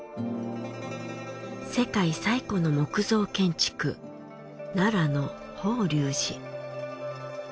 世界最古の木造建築奈良の法隆寺。